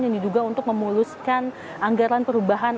yang diduga untuk memuluskan anggaran perubahan